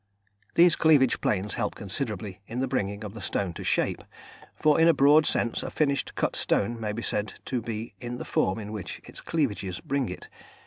] These cleavage planes help considerably in the bringing of the stone to shape, for in a broad sense, a finished cut stone may be said to be in the form in which its cleavages bring it.